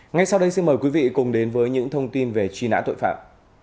ngay sau đây xin mời quý vị cùng đến với những thông tin về truy nã tội phạm